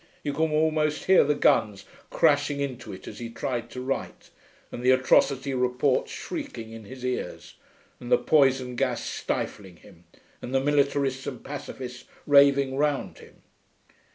You can almost hear the guns crashing into it as he tried to write, and the atrocity reports shrieking in his ears, and the poison gas stifling him, and the militarists and pacificists raving round him.